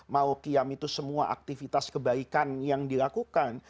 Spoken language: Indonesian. mau kiam itu semua aktivitas kebaikan yang dilakukan